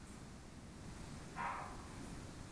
Avval jindek maqtov bilan uxlatib, keyin operasiya qiladi